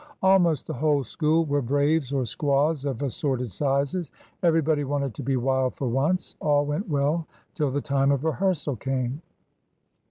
Almost the whole school were braves or squaws of assorted sizes. Every body wanted to be wild for once. All went well till the time of rehearsal came.